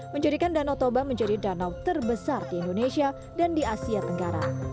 menjadikan danau toba menjadi danau terbesar di indonesia dan di asia tenggara